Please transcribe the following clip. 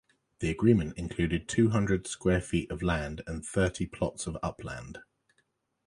The agreement included two-hundred square feet of land and thirty plots of upland.